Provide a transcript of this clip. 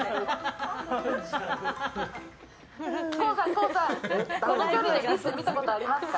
ＫＯＯさん、この距離で見たことありますか？